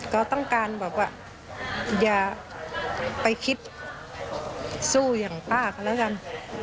ก็ต้องการบอกว่าอย่าไปคิดสู้อย่างป้าก็แล้วกัน